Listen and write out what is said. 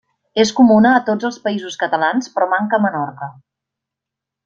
És comuna a tots els Països Catalans però manca a Menorca.